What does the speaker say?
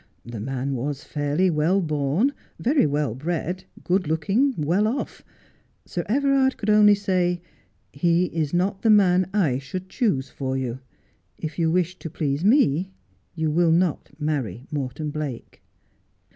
The man was fairly well born, very well bred, good looking, well oil'. Sir .Kverard could only say, 'He is not the man 1 should choose for you. If you wish to please me you will not marry Morton Blake.'